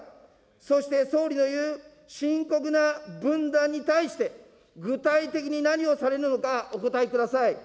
そして総理の言う深刻な分断に対して、具体的に何をされるのか、お答えください。